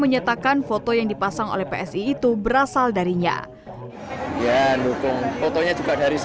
menyatakan foto yang dipasang oleh psi itu berasal darinya ya dukung fotonya juga dari